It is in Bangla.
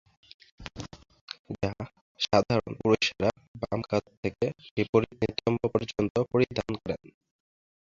যা সাধারণ পুরুষেরা বাম কাঁধ থেকে বিপরীত নিতম্ব পর্যন্ত পরিধান করেন।